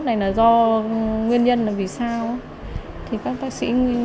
tại khoa nhi bệnh viện đa khoa sehpon